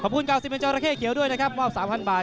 ขอบคุณกาวซิเมนจอราเข้เขียวด้วยนะครับมอบ๓๐๐บาท